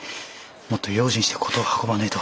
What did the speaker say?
もっと用心して事を運ばねえと。